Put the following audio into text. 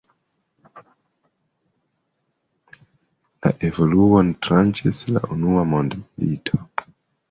La evoluon tranĉis la unua mondmilito.